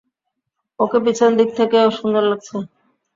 ওকে পিছন দিক থেকেও সুন্দর লাগছে।